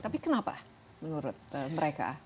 tapi kenapa menurut mereka